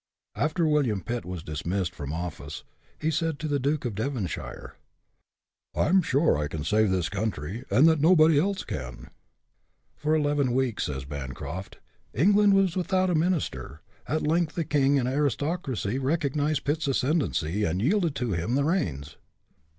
After William Pitt was dismissed from office, he said to the Duke of Devonshire, " I am sure I can save this country, and that no body else can." " For eleven weeks," says Bancroft, " England was without a minister. At length the king and aristocracy recognized Pitt's ascendency, and yielded to him the reins."